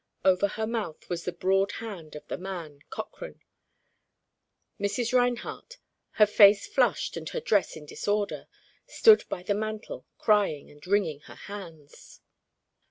Over her mouth was the broad hand of the man, Cochrane. Mrs. Rinehardt, her face flushed and her dress in disorder, stood by the mantel crying and wringing her hands.